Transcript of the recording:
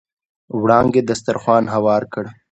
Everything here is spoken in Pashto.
وړانګې دسترخوان هوار کړ.